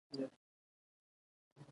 احمد له خپله ظلمه نټه وکړه.